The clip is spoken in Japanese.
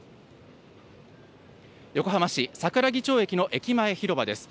横浜市桜木町駅の駅前広場です。